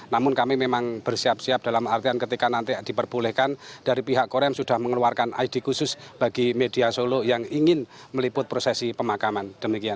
namun kami memang bersiap siap dalam artian ketika nanti diperbolehkan dari pihak korem sudah mengeluarkan id khusus bagi media solo yang ingin meliput prosesi pemakaman